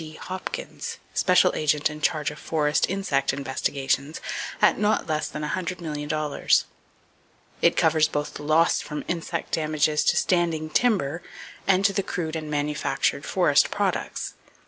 D. Hopkins, special agent in charge of forest insect investigations, at not less than $100,000,000. … It covers both the loss from insect damages to standing timber, and to the crude and manufactured forest products.